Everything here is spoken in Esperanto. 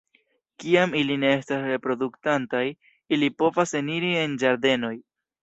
Kiam ili ne estas reproduktantaj, ili povas eniri en ĝardenoj.